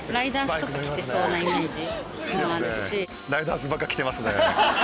ライダースばっか着てますね。